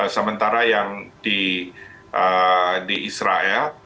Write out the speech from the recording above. sementara yang di israel